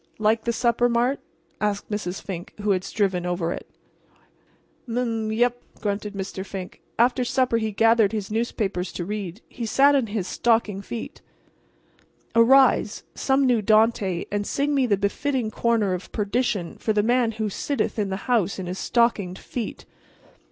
"Like the supper, Mart?" asked Mrs. Fink, who had striven over it. "M m m yep," grunted Mr. Fink. After supper he gathered his newspapers to read. He sat in his stocking feet. Arise, some new Dante, and sing me the befitting corner of perdition for the man who sitteth in the house in his stockinged feet.